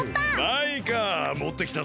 マイカもってきたぞ。